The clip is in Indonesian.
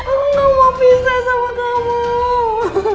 aku gak mau pisah sama kamu